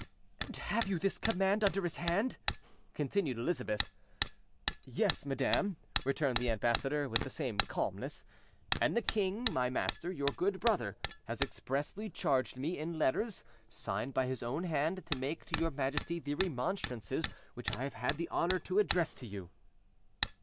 "And have you this command under his hand?" continued Elizabeth. "Yes, madam," returned the ambassador with the same calmness; "and the king, my master, your good brother, has expressly charged me, in letters signed by his own hand, to make to your Majesty the remonstrances which I have had the honour to address to you."